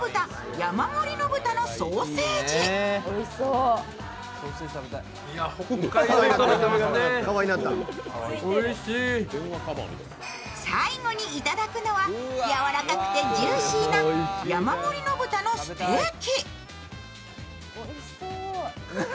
山森野豚のソーセージ最後にいただくのは、やわらかくてジューシーな山森野豚のステーキ。